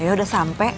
ya udah sampai